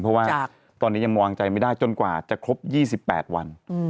เพราะว่าตอนนี้ยังวางใจไม่ได้จนกว่าจะครบ๒๘วัน